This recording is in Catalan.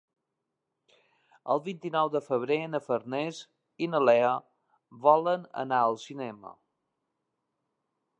El vint-i-nou de febrer na Farners i na Lea volen anar al cinema.